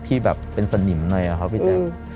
ที่แบบเป็นสนิมหน่อยอะครับพี่แจ๊ค